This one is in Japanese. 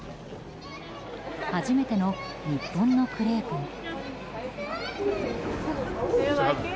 初めての日本のクレープも。